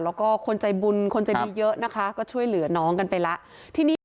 แล้วก็คนใจบุญคนใจดีเยอะนะคะก็ช่วยเหลือน้องกันไปแล้วทีนี้